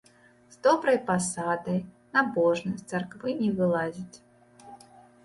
З добрай пасадай, набожны, з царквы не вылазіць.